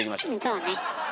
そうね。